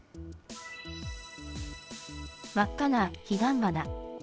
真っ赤なヒガンバナ。